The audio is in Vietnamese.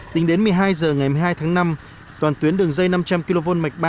tính đến một mươi hai h ngày một mươi hai tháng năm toàn tuyến đường dây năm trăm linh kv mạch ba